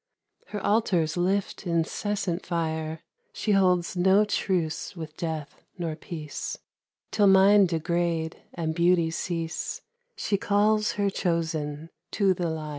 Her altars lift incessant fire ; She holds no truce with Death nor Peace ; Till mind degrade and beauty cease, She calls her chosen to the Lyre.